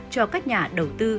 cho các nhà đầu tư